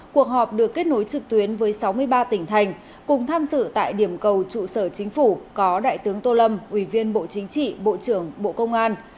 cuộc họp được kết nối trực tuyến với sáu mươi ba tỉnh thành cùng tham dự tại điểm cầu trụ sở chính phủ có đại tướng tô lâm ủy viên bộ chính trị bộ trưởng bộ công an